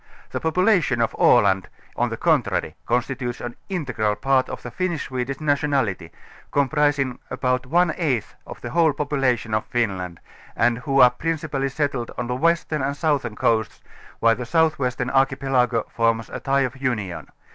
The population of Aland on the contrary consti tutes an integral part of the Finnish Swedish nationality, comprising about one eighth of the whole population of Finland and who are principallj' settled on the western and southern coasts, while the southwestern archipelago forms a tie of union.